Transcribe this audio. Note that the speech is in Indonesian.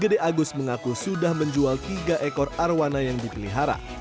gede agus mengaku sudah menjual tiga ekor arowana yang dipelihara